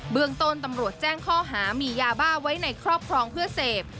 เมืองต้นตำรวจแจ้งข้อหามียาบ้าไว้ในครอบครองเพื่อเสพ